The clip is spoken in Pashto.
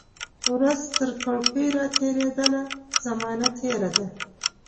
ورځ ترکړکۍ را تیریدله، زمانه تیره ده